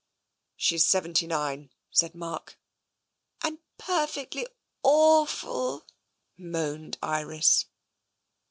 She's seventy nine," said Mark. And perfectly awful*' moaned Iris.